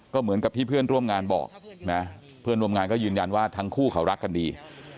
ก็เหมือนกับที่เพื่อนร่วมงานบอกนะเพื่อนร่วมงานก็ยืนยันว่าทั้งคู่เขารักกันดี